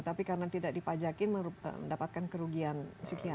tapi karena tidak dipajakin mendapatkan kerugian sekian